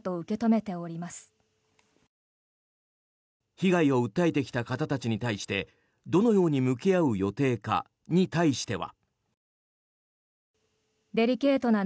被害を訴えてきた方たちに対してどのように向き合う予定かに対しては。